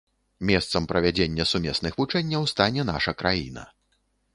Месцам правядзення сумесных вучэнняў стане наша краіна.